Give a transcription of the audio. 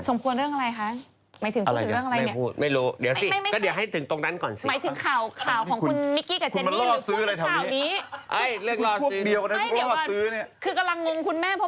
สมควรเรื่องอะไรคะหมายถึงพูดถึงเรื่องอะไรนี่อะไรอ่ะไม่พูด